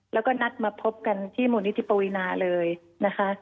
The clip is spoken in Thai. แล้วก็นัดมาพบกันที่มูลนิธิปวีนาเลยนะคะ